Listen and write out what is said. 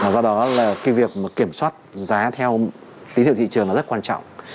do đó là cái việc kiểm soát giá theo tí thiệu thị trường là rất quan trọng